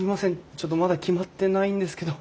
ちょっとまだ決まってないんですけど。